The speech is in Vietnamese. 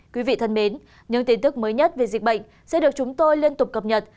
quý vị thân mến những tin tức mới nhất về dịch bệnh sẽ được chúng tôi liên tục cập nhật